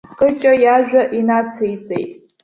Кыҷа иажәа инациҵеит.